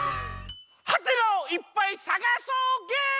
はてなをいっぱいさがそうゲーム！